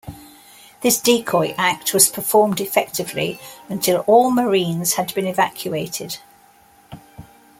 This decoy act was performed effectively until all Marines had been evacuated.